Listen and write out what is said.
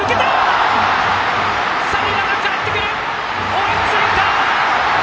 追いついた！